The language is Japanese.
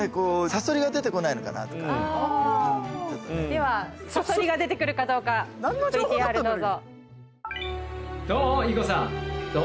ではサソリが出てくるかどうかＶＴＲどうぞ。